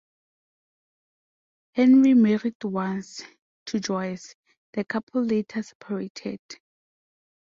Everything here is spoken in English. Henri married once, to Joyce; the couple later separated.